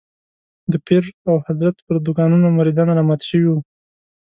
د پیر او حضرت پر دوکانونو مريدان رامات شوي وو.